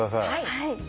はい。